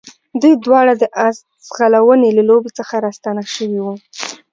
دوی دواړه د آس ځغلونې له لوبو څخه راستانه شوي وو.